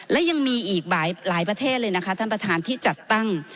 และยังมีอีกหลายประเทศเลยนะคะท่านประธานที่จัดตั้ง